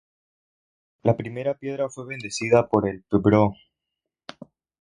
La primera piedra fue bendecida por el Pbro.